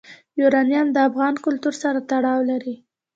یورانیم د افغان کلتور سره تړاو لري.